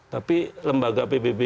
tapi lembaga pbb